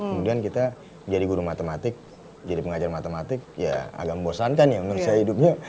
kemudian kita jadi guru matematik jadi pengajar matematik ya agak membosankan ya menurut saya hidupnya